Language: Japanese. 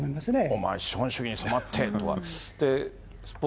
お前、資本主義に染まってとか。